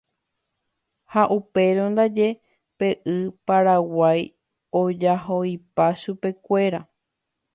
ha upérõ ndaje pe y Paraguái ojaho'ipa chupekuéra.